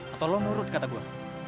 atau lo nurut kata gue